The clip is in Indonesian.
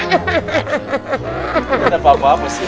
tetep apa apa sih